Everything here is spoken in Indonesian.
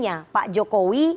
pembantunya pak jokowi